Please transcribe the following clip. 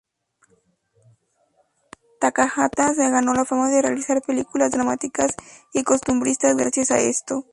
Takahata se ganó la fama de realizar películas dramáticas y costumbristas gracias a esto.